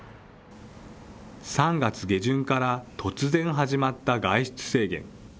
３月下旬から突然始まった外出制限。